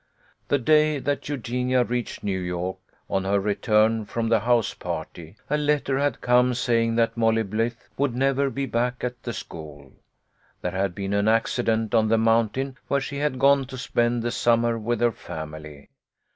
The day that Eugenia reached New York on her return from the house party, a letter had come saying that Molly Blythe would never be back at the school. There had been an accident on the mountain where she had gone to spend the summer with her family.